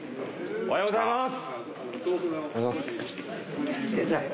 「おはようございます」